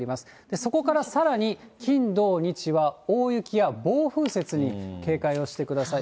そこからさらに金、土、日は大雪や暴風雪に警戒をしてください。